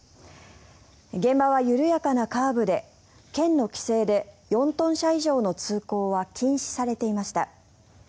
現場は緩やかなカーブで県の規制で４トン車以上の通行は禁止されていました。